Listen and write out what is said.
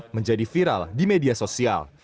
menjadi viral di media sosial